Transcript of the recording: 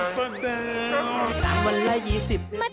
ก็คือเขาหยิกเรา